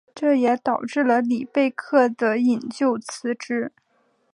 这也导致了里贝克的引咎辞职。